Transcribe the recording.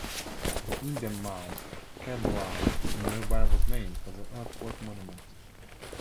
The Indian Mound Campground nearby was named for the earthwork monuments.